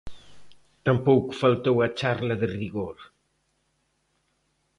Tampouco faltou a charla de rigor.